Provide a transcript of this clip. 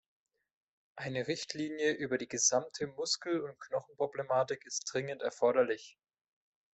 Eine Richtlinie über die gesamte Muskel- und Knochenproblematik ist dringend erforderlich.